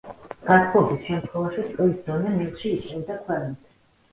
გათბობის შემთხვევაში წყლის დონე მილში იწევდა ქვემოთ.